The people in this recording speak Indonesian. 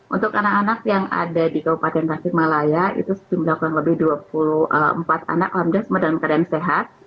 untuk anak anak yang ada di kabupaten tasikmalaya itu sejumlah kurang lebih dua puluh empat anak alhamdulillah semua dalam keadaan sehat